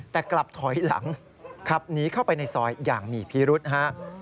แต่กลับถอยหลังขับหนีเข้าไปในซอยอย่างมีพิรุษฮะ